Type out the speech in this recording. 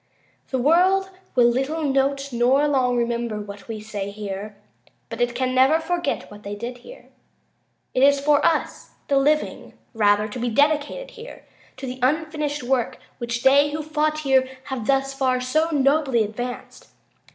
The world will little note, nor long remember, what we say here, but it can never forget what they did here. It is for us the living, rather, to be dedicated here to the unfinished work which they who fought here have thus far so nobly advanced.